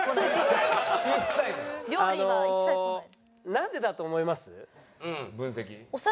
なんでだと思います？分析。